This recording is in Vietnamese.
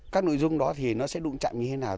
các nội dung đó thì nó sẽ đụng chạm như thế nào